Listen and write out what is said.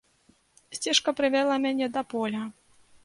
Сцежка прывяла мяне да поля.